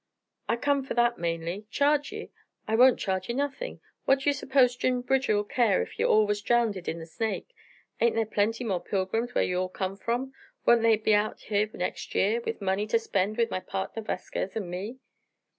"I come fer that, mainly. Charge ye? I won't charge ye nothin'. What do ye s'pose Jim Bridger'd care ef ye all was drownded in the Snake? Ain't thar plenty more pilgrims whar ye all come from? Won't they be out here next year, with money ter spend with my pardner Vasquez an' me?"